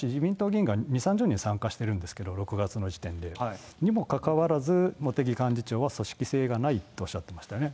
ここに自民党議員が２、３０人参加しているんですけれども、６月の時点で。にもかかわらず、茂木幹事長は組織性がないとおっしゃってましたよね。